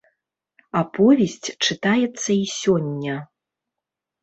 Аповесць чытаецца і сёння.